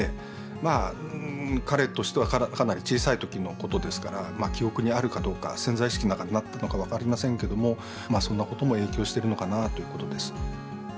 まあ彼としてはかなり小さい時のことですからまあ記憶にあるかどうか潜在意識の中にあったのか分かりませんけどもそんなことも影響してるのかなということです。